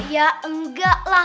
ya enggak lah